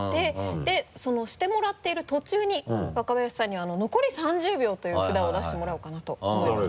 でそのしてもらっている途中に若林さんには「残り３０秒」という札を出してもらおうかなと思います。